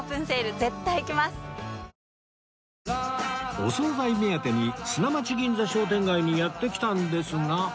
お総菜目当てに砂町銀座商店街にやって来たんですが